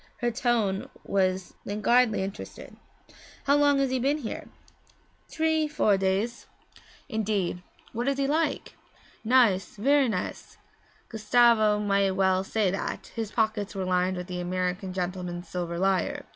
Her tone was languidly interested. 'How long has he been here?' 'Tree four days.' 'Indeed what is he like?' 'Nice ver' nice.' (Gustavo might well say that; his pockets were lined with the American gentleman's silver lire.)